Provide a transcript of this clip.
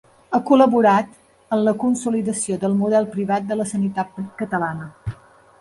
Ha col·laborat en la consolidació del model privat de la sanitat catalana.